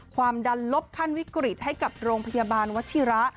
ความดันลบขั้นวิกฤตให้กับโรงพยาบาลวัชิระ